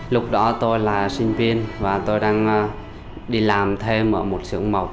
lúc đó tôi là sinh viên và tôi đang đi làm thêm ở một sưởng mộc